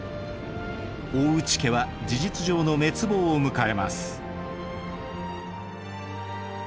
大内家は事実上の滅亡を迎えます。